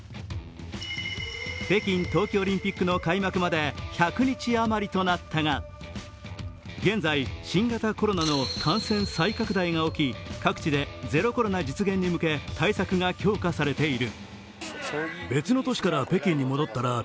北京冬季オリンピックの開幕まで１００日余りとなったが、現在、新型コロナの感染再拡大が起き各地でゼロ・コロナ実現に向けて対策が強化されている。